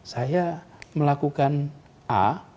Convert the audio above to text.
saya melakukan a